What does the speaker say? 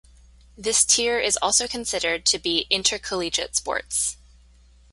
This tier is also considered to be "intercollegiate" sports.